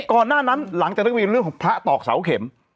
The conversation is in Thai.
ก่อนหน้านั้นหลังจากนักเรียนเรื่องของพระตอกเสาเข็ม